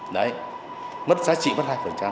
đấy giá trị mất hai